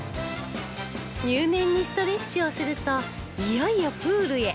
入念にストレッチをするといよいよプールへ